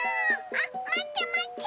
あっまってまって！